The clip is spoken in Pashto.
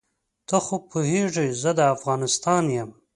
ته خو پوهېږې زه د افغانستان یم.